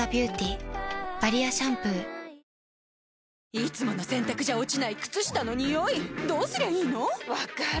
いつもの洗たくじゃ落ちない靴下のニオイどうすりゃいいの⁉分かる。